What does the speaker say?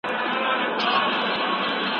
دولت د اقتصاد لپاره پلانونه جوړوي.